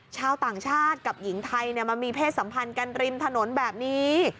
ชาวต่างชาติกับหญิงไทยมามีเพศสัมพันธ์กันริมถนนแบบนี้